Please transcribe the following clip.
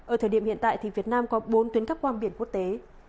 ở thời điểm hiện tại thì việt nam có bốn tuyến cắp quang biển quốc tế